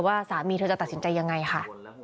ว่าสามีเธอจะตัดสินใจยังไงค่ะ